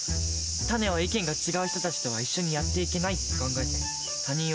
タネは意見が違う人たちとは一緒にやっていけないって考えて他人を拒否した。